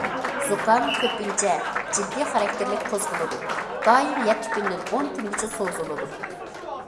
زۇكام كۆپىنچە جىددىي خاراكتېرلىك قوزغىلىدۇ، دائىم يەتتە كۈندىن ئون كۈنگىچە سوزۇلىدۇ.